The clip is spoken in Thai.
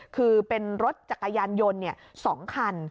คือเป็นรถจักรยานยนต์๒คัน